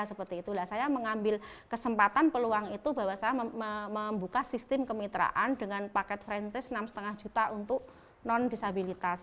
saya mengambil kesempatan peluang itu bahwa saya membuka sistem kemitraan dengan paket francis enam lima juta untuk non disabilitas